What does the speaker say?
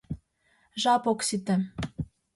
— Жап ок сите.